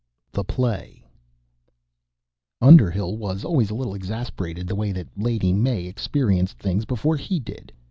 THE PLAY Underhill was always a little exasperated the way that Lady May experienced things before he did.